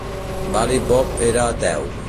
Vavilov era ateu.